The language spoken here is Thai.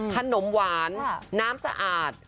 ขนมหวานน้ำสะอาด